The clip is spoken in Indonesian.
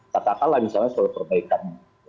katakanlah misalnya soal perbaikan